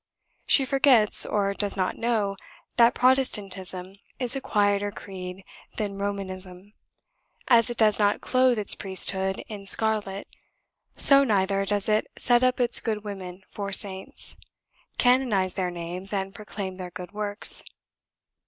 She forgets, or does not know, that Protestantism is a quieter creed than Romanism; as it does not clothe its priesthood in scarlet, so neither does it set up its good women for saints, canonise their names, and proclaim their good works.